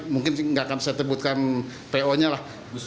mungkin nggak akan saya tebutkan po nya lah